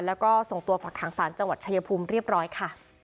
แล้วก็ส่งตัวฝักขังสารจังหวัดชายภูมิเรียบร้อยค่ะ